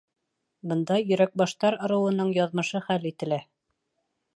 Бында Йөрәк баштар ырыуының яҙмышы хәл ителә.